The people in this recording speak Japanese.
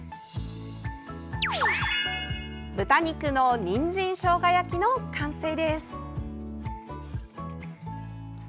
豚肉のにんじんしょうが焼きの完成です。